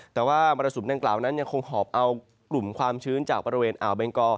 แต่ว่ามรสุมดังกล่าวนั้นยังคงหอบเอากลุ่มความชื้นจากบริเวณอ่าวเบงกอ